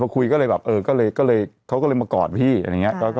เขาก็เลยมากอดพี่